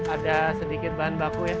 ada sedikit bahan bakuin